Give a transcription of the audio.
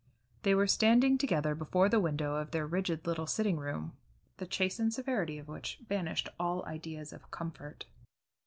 They were standing together before the window of their rigid little sitting room, the chastened severity of which banished all ideas of comfort.